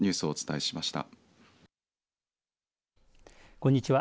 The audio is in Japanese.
こんにちは。